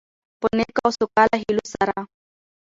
په نیکو او سوکاله هيلو سره،